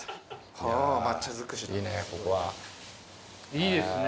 いいですね。